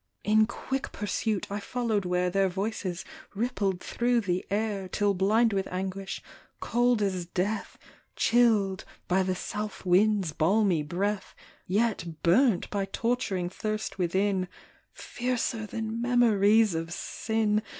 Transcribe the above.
In quick pursuit, I followed where Their voices rippled through the air, Till blind with anguish, cold as death, Chilled (by the south wind's balmy breath), Yet burnt by torturing thirst within (Fiercer than memories of sin).